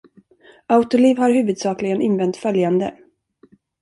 Autoliv har huvudsakligen invänt följande.